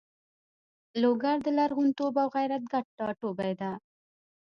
لوګر د لرغونتوب او غیرت ګډ ټاټوبی ده.